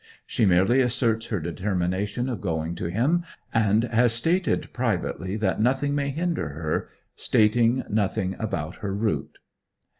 She merely asserts her determination of going to him, and has started privately, that nothing may hinder her; stating nothing about her route.